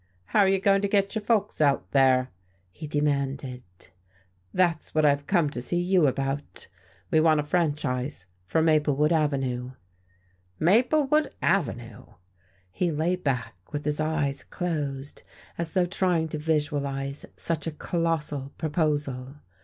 "How are you going to get your folks out there?" he demanded. "That's what I've come to see you about. We want a franchise for Maplewood Avenue." "Maplewood Avenue!" He lay back with his eyes closed, as though trying to visualize such a colossal proposal....